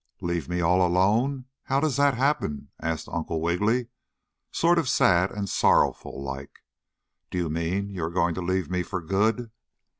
"Leave me all alone how does that happen?" asked Uncle Wiggily, sort of sad and sorrowful like. "Do you mean you are going to leave me for good?"